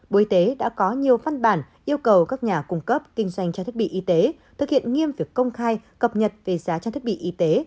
bộ y tế đã có nhiều văn bản yêu cầu các nhà cung cấp kinh doanh trang thiết bị y tế thực hiện nghiêm việc công khai cập nhật về giá trang thiết bị y tế